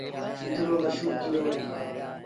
سنڌ رو مشهور ڪلو اهي۔